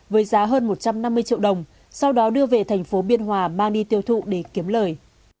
với giá hơn một trăm năm mươi triệu đồng sau đó đưa về thành phố biên hòa mang đi tiêu thụ để kiếm lời